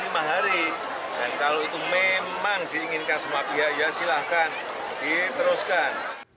lima hari dan kalau itu memang diinginkan semua pihak ya silahkan diteruskan